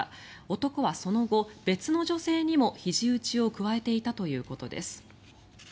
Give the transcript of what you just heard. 男はその後、別の女性にもひじ打ちを加えていたということです。